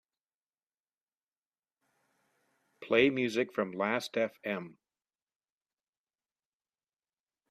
Play music from Lastfm.